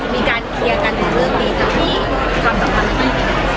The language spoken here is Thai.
มีการเคลียร์กันของเรื่องนี้กับความสำคัญของทุกคน